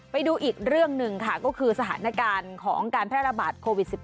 ไปดูอีกเรื่องหนึ่งค่ะก็คือสถานการณ์ของการแพร่ระบาดโควิด๑๙